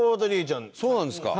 そうなんですか？